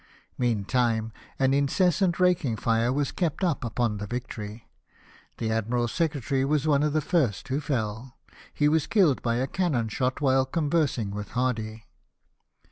Meantime an incessant raking fire wlas kept up upon the Victory. The Admiral's secretary was one of the first who fell ; he was killed by a cannon shot while conversing with Hardy.